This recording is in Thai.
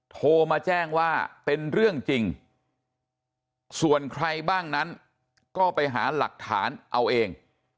โทรมาแจ้งว่าเป็นเรื่องจริงส่วนใครบ้างนั้นก็ไปหาหลักฐานเอาเอง